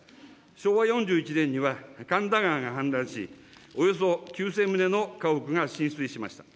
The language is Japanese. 昭和４１年には神田川が氾濫し、およそ９０００棟の家屋が浸水しました。